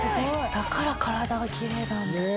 だから体がきれいなんだ。